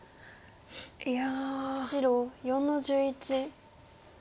いや。